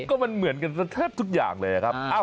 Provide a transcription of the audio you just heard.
ก็มันเหมือนกันแทบทุกอย่างเลยครับ